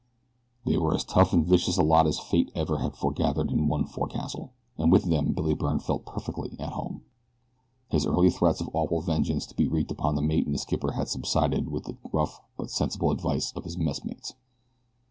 They were as tough and vicious a lot as Fate ever had foregathered in one forecastle, and with them Billy Byrne felt perfectly at home. His early threats of awful vengeance to be wreaked upon the mate and skipper had subsided with the rough but sensible advice of his messmates.